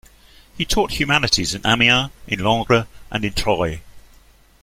He taught humanities in Amiens, in Langres, and in Troyes.